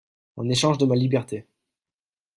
En échange de ma liberté.